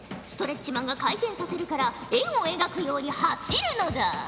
ストレッチマンが回転させるから円を描くように走るのだ。